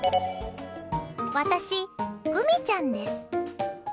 私、ぐみちゃんです。